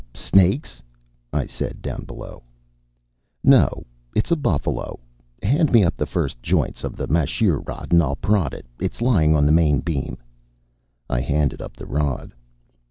"Snakes?" I said down below. "No. It's a buffalo. Hand me up the two first joints of a masheer rod, and I'll prod it. It's lying on the main beam." I handed up the rod.